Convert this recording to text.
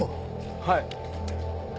はい。